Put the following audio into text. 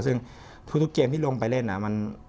ซึ่งทุกเกมที่ลงไปเล่น